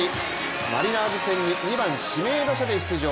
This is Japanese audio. マリナーズ戦に２番・指名打者で出場。